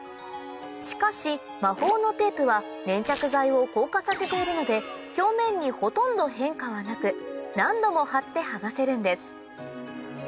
しかし魔法のテープは粘着剤を硬化させているので表面にほとんど変化はなく何度も貼って剥がせるんです